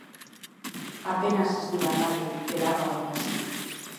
Apenas ez du landarerik, belarra baino ez.